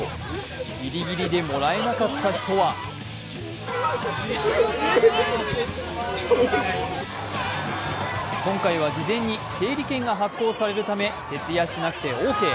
ぎりぎりでもらえなかった人は今回は事前に、整理券が発行されるため、徹夜しなくてオーケー。